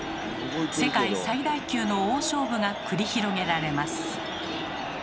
世界最大級の大勝負が繰り広げられます。